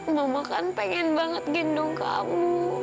mama kan pengen banget gendong kamu